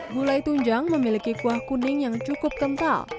gulai tunjang memiliki kuah kuning yang cukup kental